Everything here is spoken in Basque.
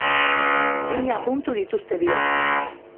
Bina puntu dituzte biek.